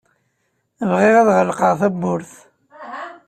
Bɣiɣ ad ɣelqeɣ tawwurt.